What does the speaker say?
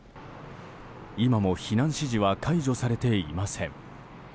今も避難指示は解除されていません。